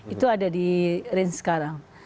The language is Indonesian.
itu ada di range sekarang